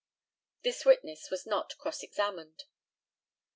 This witness was not cross examined.